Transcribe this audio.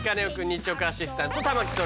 日直アシスタント